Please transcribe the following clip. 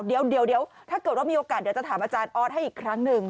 เดี๋ยวถ้าเกิดว่ามีโอกาสเดี๋ยวจะถามอาจารย์ออสให้อีกครั้งหนึ่ง